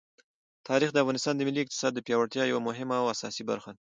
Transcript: تاریخ د افغانستان د ملي اقتصاد د پیاوړتیا یوه مهمه او اساسي برخه ده.